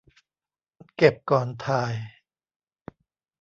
เก็บก่อนถ่าย